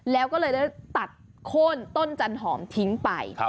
แล้วก็เลยได้ตัดโค้นต้นจันหอมทิ้งไป